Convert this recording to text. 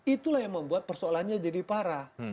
itulah yang membuat persoalannya jadi parah